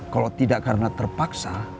kalau tidak karena terpaksa